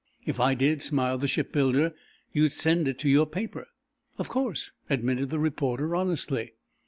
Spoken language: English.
"If I did," smiled the shipbuilder, "you'd send it to your paper." "Of course," admitted the reporter, honestly.